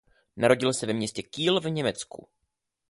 Narodil se ve městě Kiel v Německu.